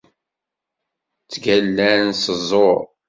Ttgallan s ẓẓur.